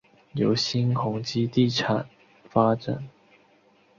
由新鸿基地产发展。